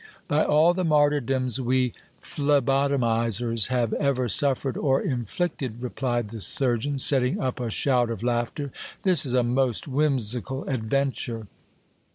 By all the martyrdoms we phleboto mizers have ever suffered or inflicted '. replied the surgeon, setting up a shout of laughter, this is a most whimsical adventure.